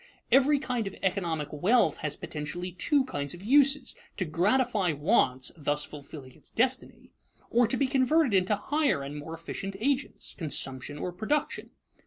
Every kind of economic wealth has potentially two kinds of uses: to gratify wants thus fulfilling its destiny or to be converted into higher and more efficient agents consumption or production.